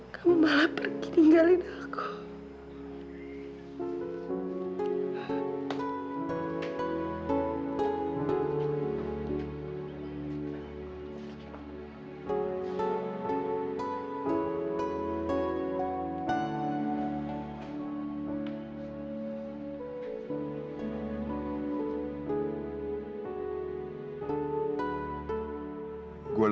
kamu malah pergi tinggalin aku